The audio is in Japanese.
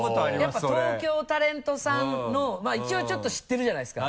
やっぱ東京タレントさんの一応ちょっと知ってるじゃないですか。